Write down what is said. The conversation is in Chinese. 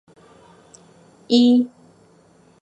鼠尾草叶荆芥为唇形科荆芥属下的一个种。